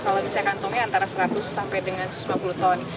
kalau misalnya kantongnya antara seratus sampai dengan satu ratus lima puluh ton